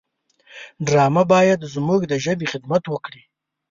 ډرامه باید زموږ د ژبې خدمت وکړي